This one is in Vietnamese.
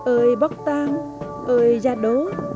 ơi bóc tang ơi gia đố